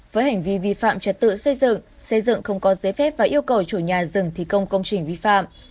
với hành vi vi phạm trật tự xây dựng xây dựng không có giấy phép và yêu cầu chủ nhà dừng thi công công trình vi phạm